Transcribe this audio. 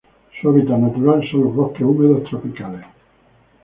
Su hábitat natural son los bosques húmedos tropicales.